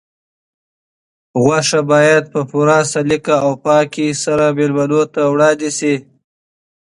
غوښه باید په پوره سلیقه او پاکۍ سره مېلمنو ته وړاندې شي.